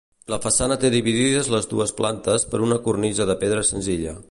La façana té dividides les dues plantes per una cornisa de pedra senzilla.